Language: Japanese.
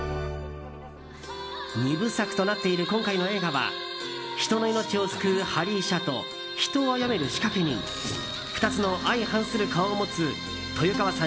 ２部作となっている今回の映画は人の命を救う鍼医者と人をあやめる仕掛人２つの相反する顔を持つ豊川さん